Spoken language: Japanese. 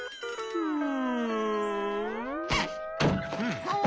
うん？